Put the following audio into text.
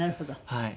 はい。